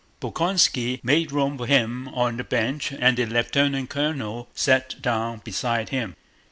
Bolkónski made room for him on the bench and the lieutenant colonel sat down beside him.